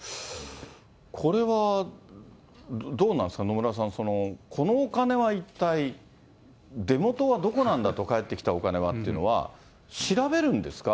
これはどうなんですか、野村さん、このお金は一体、出もとはどこなんだと、返ってきたお金はっていうのは、調べるんですか